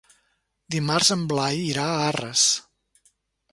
Dimarts en Blai irà a Arres.